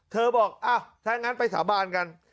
บอกอ้าวถ้างั้นไปสาบานกัน